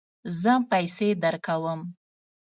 زه پیسې درکوم